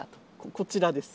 こちらです。